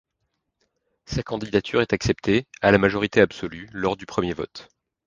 Sa candidature est acceptée, à la majorité absolue, lors du premier vote.